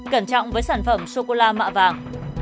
cẩn trọng với sản phẩm sô cô la mạ vàng